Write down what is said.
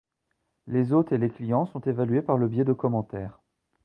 Les hôtes et les clients sont évalués par le biais de commentaires.